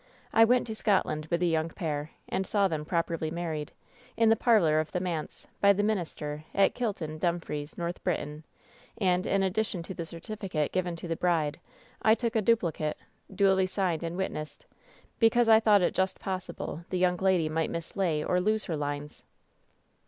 I went to Scotland with the young pair and saw them properly married, in the parlor of the manse, by the minister, at Kilton, Dumfries, North Briton; and in addition to the certificate given to the bride, I took a duplicate, duly signed and witnessed, because I thought it just possible the young lady might mislay or lose her lines."